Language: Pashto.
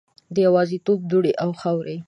د یوازیتوب دوړې او خاورې